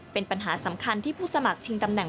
เป็นปัญหาสำคัญที่ผู้สมัครชิงตำแหน